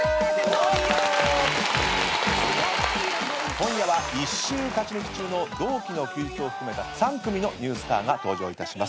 今夜は１週勝ち抜き中の同期の休日を含めた３組のニュースターが登場いたします。